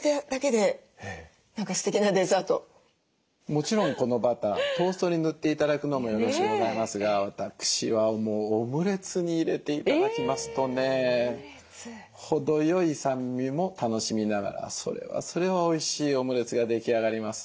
もちろんこのバタートーストに塗って頂くのもよろしゅうございますが私はもうオムレツに入れて頂きますとね程よい酸味も楽しみながらそれはそれはおいしいオムレツが出来上がります。